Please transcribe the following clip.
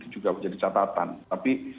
juga menjadi catatan tapi